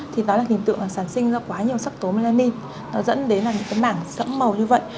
thì đó là hình tượng sản sinh ra quá nhiều sắc tố melanin nó dẫn đến những mảng sẫm màu như vậy